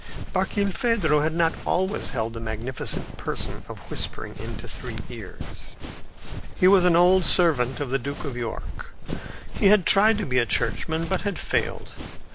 Barkilphedro had not always held the magnificent position of whispering into three ears. He was an old servant of the Duke of York. He had tried to be a churchman but had failed.